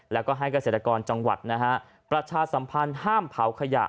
แล้วก็ให้เกษตรกรจังหวัดนะฮะประชาสัมพันธ์ห้ามเผาขยะ